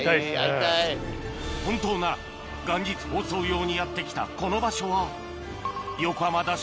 本当なら元日放送用にやって来たこの場所は横浜ＤＡＳＨ